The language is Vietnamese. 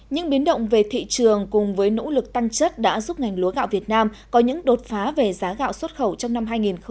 những biến động về thị trường cùng với nỗ lực tăng chất đã giúp ngành lúa gạo việt nam có những đột phá về giá gạo xuất khẩu trong năm hai nghìn hai mươi